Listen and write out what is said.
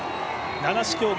七種競技